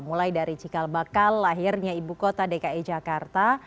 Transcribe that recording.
mulai dari cikal bakal lahirnya ibu kota dki jakarta